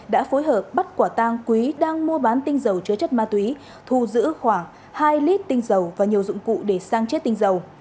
đã phối hợp bắt quả tang quý đang mua bán tinh dầu chứa chất ma túy thu giữ khoảng hai lít tinh dầu và nhiều dụng cụ để sang chết tinh dầu